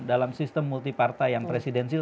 dalam sistem multi partai yang presidensil